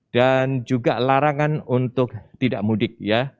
dan juga larangan untuk tidak mudik ya